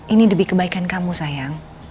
ini demi kebaikan kamu sayang